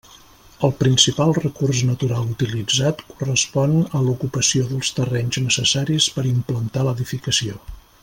El principal recurs natural utilitzat correspon a l'ocupació dels terrenys necessaris per implantar l'edificació.